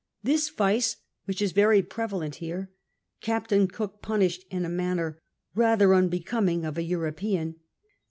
This vice, which is very prevalent here. Captain Cook punished in a manner rather unbecoming of an European, viz.